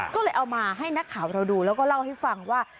ก็เลยเอามาให้นักข่าวเราดูแล้วก็เล่าให้ฟังว่า